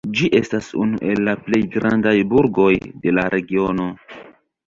Ĝi estas unu el la plej grandaj burgoj de la regiono.